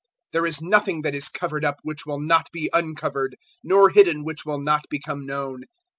012:002 There is nothing that is covered up which will not be uncovered, nor hidden which will not become known.